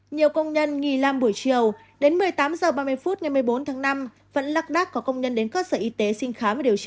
nhiều công nhân nghỉ làm buổi chiều đến một mươi tám h ba mươi phút ngày một mươi bốn tháng năm vẫn lạc đác có công nhân đến cơ sở y tế xin khám và điều trị